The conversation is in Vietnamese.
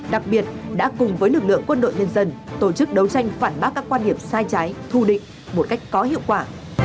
đặc biệt đã cùng với lực lượng quân đội nhân dân tổ chức đấu tranh phản bác các quan điểm sai trái thù định một cách có hiệu quả